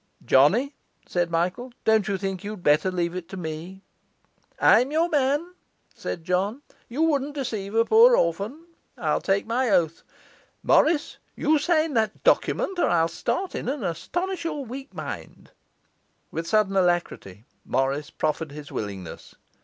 'Johnny,' said Michael, 'don't you think you'd better leave it to me?' 'I'm your man,' said John. 'You wouldn't deceive a poor orphan, I'll take my oath. Morris, you sign that document, or I'll start in and astonish your weak mind.' With a sudden alacrity, Morris proffered his willingness.